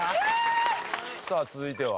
さあ続いては。